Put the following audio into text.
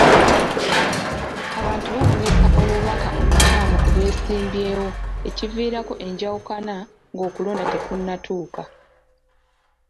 Abantu babunyisa obubaka obukyamu ku beesimbyewo ekiviirako enjawukana ng'okulonda tekunnatuuka.